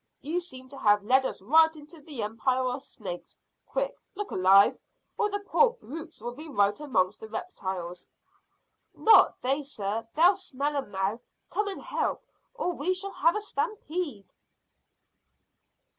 You seem to have led us right into the empire of snakes. Quick, look alive, or the poor brutes will be right amongst the reptiles." "Not they, sir; they smell 'em now. Come and help, or we shall have a stampede."